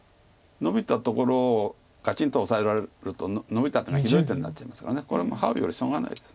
ノビたところをガチンとオサえらえるとノビた手がひどい手になっちゃいますからこれハウよりしょうがないです。